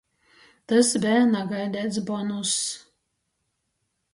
Tys beja nagaideits bonuss.